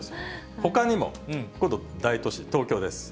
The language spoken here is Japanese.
ほかにも、今度、大都市、東京です。